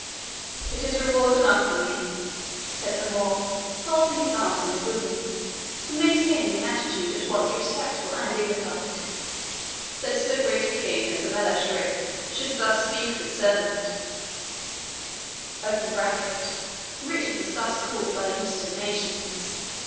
"It is reward enough for me," said the Moor, folding his arms on his bosom, and maintaining an attitude at once respectful and dignified, "that so great a king as the Melech Ric [Richard was thus called by the Eastern nations.